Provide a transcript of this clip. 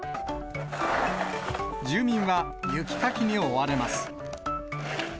住民は雪かきに追われます。